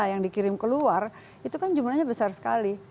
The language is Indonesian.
yang dikirim ke luar itu kan jumlahnya besar sekali